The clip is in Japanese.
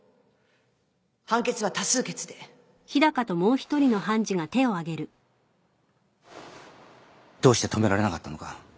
判決は多数決でどうして止められなかったのか。